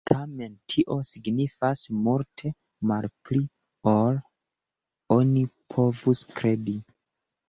Tamen tio signifas multe malpli ol oni povus kredi.